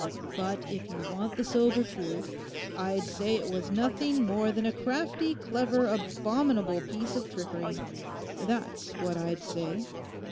But if you want the sober truth, I'd say it was nothing more than a crafty, clever, abominable piece of trickery. That's what I'd say.